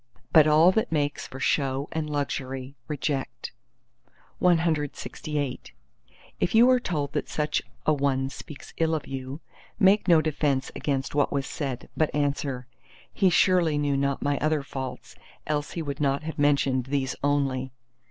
But all that makes for show and luxury reject. CLXIX If you are told that such an one speaks ill of you, make no defence against what was said, but answer, He surely knew not my other faults, else he would not have mentioned these only!